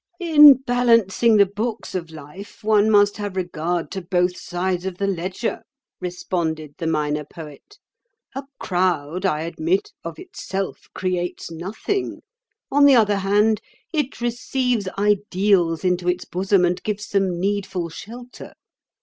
"In balancing the books of life one must have regard to both sides of the ledger," responded the Minor Poet. "A crowd, I admit, of itself creates nothing; on the other hand, it receives ideals into its bosom and gives them needful shelter.